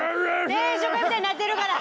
定食屋みたいになってるから！